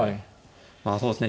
まあそうですね。